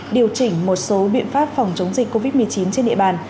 điều chỉnh một số biện pháp phòng chống dịch covid một mươi chín trên địa bàn